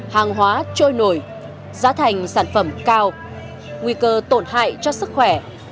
hàng hóa trôi nổi giá thành sản phẩm cao nguy cơ tổn hại cho sức khỏe